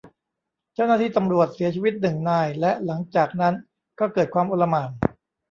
เจ้าหน้าที่ตำรวจเสียชีวิตหนึ่งนาย และหลังจากนั้นก็เกิดความอลหม่าน